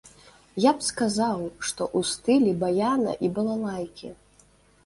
Я б сказаў, што ў стылі баяна і балалайкі!